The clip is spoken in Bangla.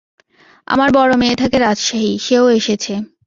আমার বড় মেয়ে থাকে রাজশাহী, সেও এসেছে।